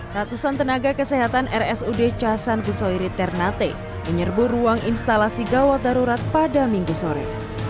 ratusan tenaga kesehatan rsud casan gusoiri ternate menyerbu ruang instalasi gawat darurat pada minggu sore